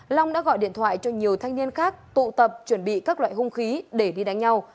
long đã gọi điện thoại cho nhiều thanh niên khác tụ tập chuẩn bị các loại hung khí để đi đánh nhau